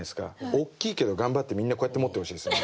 大きいけど頑張ってみんなこうやって持ってほしいんですよね。